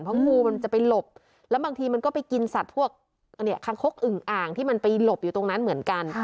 เพราะงูมันจะไปหลบแล้วบางทีมันก็ไปกินสัตว์พวกคางคกอึ่งอ่างที่มันไปหลบอยู่ตรงนั้นเหมือนกัน